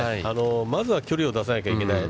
まずは距離を出さなきゃいけない。